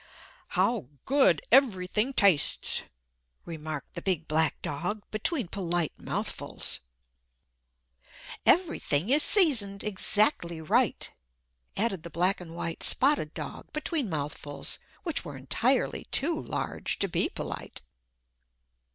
"How good everything tastes!" remarked the big black dog between polite mouthfuls. "Everything is seasoned exactly right," added the black and white spotted dog between mouthfuls which were entirely too large to be polite.